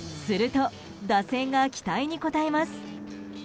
すると、打線が期待に応えます。